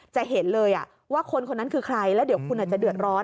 จะเห็นเลยว่าคนคนนั้นคือใครแล้วเดี๋ยวคุณอาจจะเดือดร้อน